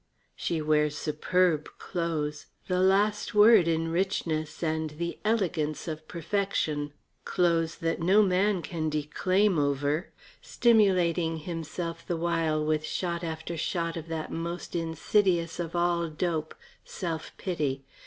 She wears superb clothes the last word in richness and the elegance of perfection clothes that no man can declaim over, stimulating himself the while with shot after shot of that most insidious of all dope, self pity.